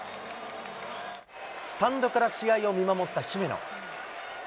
スタンドから試合を見守った姫野。